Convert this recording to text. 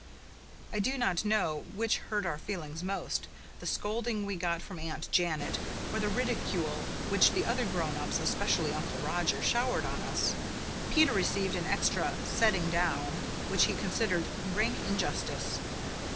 I do not know which hurt our feelings most the scolding we got from Aunt Janet, or the ridicule which the other grown ups, especially Uncle Roger, showered on us. Peter received an extra "setting down," which he considered rank injustice.